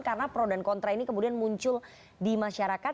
karena pro dan kontra ini kemudian muncul di masyarakat